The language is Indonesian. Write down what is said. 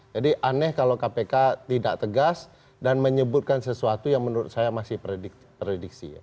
jadi aneh kalau kpk tidak tegas dan menyebutkan sesuatu yang menurut saya masih prediksi